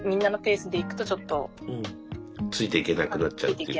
ついていけなくなっちゃうっていうか。